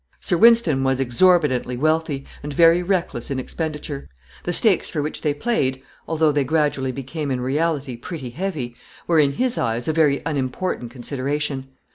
Sir Wynston was exorbitantly wealthy, and very reckless in expenditure. The stakes for which they played, although they gradually became in reality pretty heavy, were in his eyes a very unimportant consideration.